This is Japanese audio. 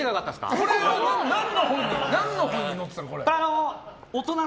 これは何の本に載ってたの？